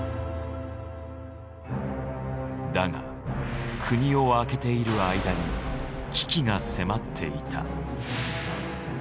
だが国を空けている間に危機が迫っていた。